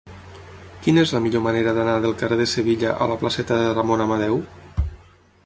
Quina és la millor manera d'anar del carrer de Sevilla a la placeta de Ramon Amadeu?